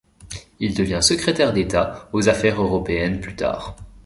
Il devient secrétaire d'État aux Affaires européennes plus tard.